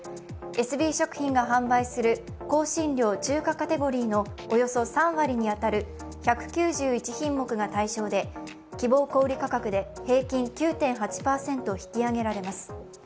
エスビー食品が販売する香辛料中華カテゴリーのおよそ３割に当たる１９１品目が対象で、希望小売価格で平均９．８％引き上げられます。